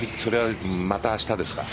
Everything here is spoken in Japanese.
また明日ですか？